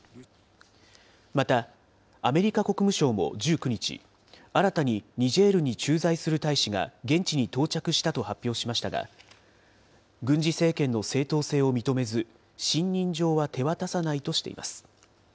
また、アメリカ国務省も１９日、新たにニジェールに駐在する大使が現地に到着したと発表しましたが、軍事政権の正当性を認めず、信任状は手渡さないとしています。